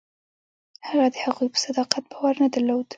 هغه د هغوی په صداقت باور نه درلود.